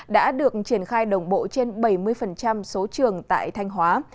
đã được triển khai đồng bộ trên bảy mươi số trường tại thanh hóa